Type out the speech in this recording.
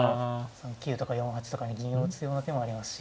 ３九とか４八とかに銀を打つような手もありますし。